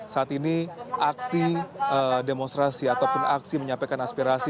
saat ini aksi demonstrasi ataupun aksi menyampaikan aspirasi